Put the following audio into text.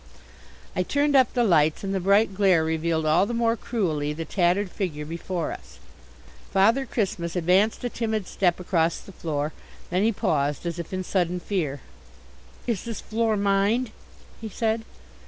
I turned up the lights and the bright glare revealed all the more cruelly the tattered figure before us. Father Christmas advanced a timid step across the floor. Then he paused, as if in sudden fear. "Is this floor mined?" he said.